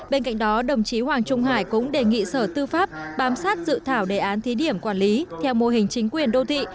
bên cạnh đó đồng chí hoàng trung hải cũng đề nghị sở tư pháp bám sát dự thảo đề án thí điểm quản lý theo mô hình chính quyền đô thị